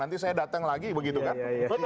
nanti saya datang lagi begitu kan